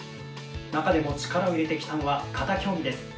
中でも力を入れてきたのが形競技です。